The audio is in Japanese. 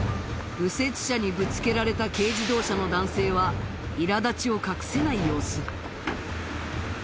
右折車にぶつけられた軽自動車の男性はいら立ちを隠せない様子